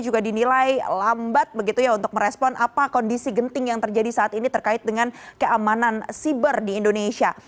juga dinilai lambat untuk merespon apa kondisi genting yang terjadi saat ini terkait dengan keamanan siber di indonesia